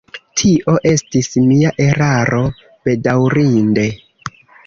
Tio estis mia eraro, bedaŭrinde.